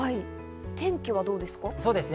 天気はどうですか？